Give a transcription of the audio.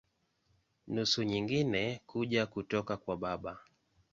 Nusu nyingine kuja kutoka kwa baba.